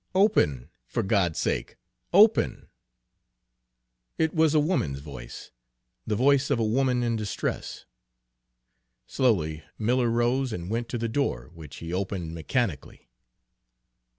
"Open, for God's sake, open!" It was a woman's voice, the voice of a woman in distress. Slowly Miller rose and went to the door, which he opened mechanically.